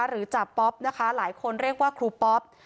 จ่าป๊อปนะคะหลายคนเรียกว่าครูปอ๊อป